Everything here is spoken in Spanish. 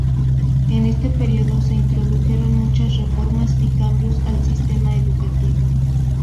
En este período se introdujeron muchas reformas y cambios al sistema educativo.